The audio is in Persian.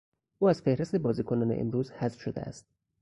او از فهرست بازیکنان امروز حذف شده است.